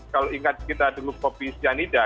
kalau ingat kita dulu popis janida